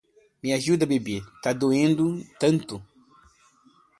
Me ajuda bebê, tá doendo tanto